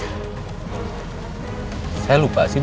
ada hal lain pak yang bapak inget